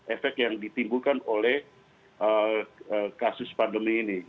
efek yang ditimbulkan oleh kasus pandemi ini